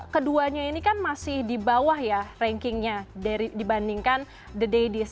keduanya ini kan masih di bawah ya rankingnya dibandingkan the daddies